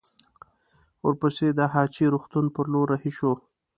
ورپسې د هه چه روغتون پر لور رهي شوو.